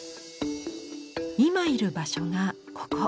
今いる場所がここ。